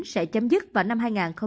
sẽ chấm dứt vào năm hai nghìn hai mươi